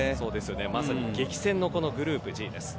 まさに激戦のグループＧです。